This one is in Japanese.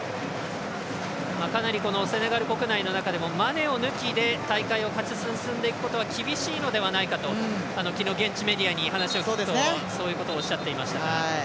かなりセネガル国内の中でもマネ抜きで大会を勝ち進んでいくことは厳しいのではないかと昨日、現地メディアに話を聞くとそういうことをおっしゃっていました。